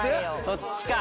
そっちか。